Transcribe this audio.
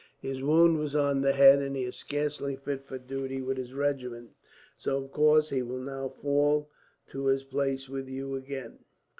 His wound was on the head, and he is scarcely fit for duty with his regiment, so of course he will now fall in to his place with you again."